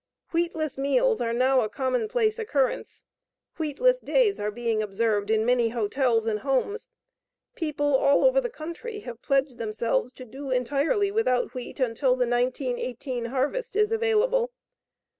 Wheatless meals are now a commonplace occurrence. Wheatless days are being observed in many hotels and homes. People all over the country have pledged themselves to do entirely without wheat until the 1918 harvest is available.